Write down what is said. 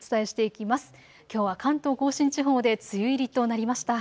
きょうは関東甲信地方で梅雨入りとなりました。